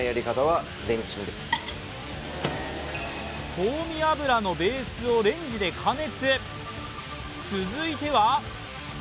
香味油のベースをレンジで加熱。